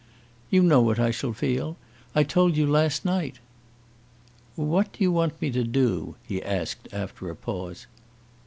"You know what I shall feel. I told you last night." "What do you want me to do?" he asked, after a pause.